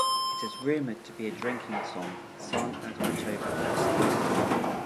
It is rumored to be a drinking song sung at Oktoberfest.